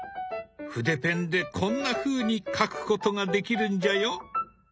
筆ペンでこんなふうに描くことができるんじゃよ。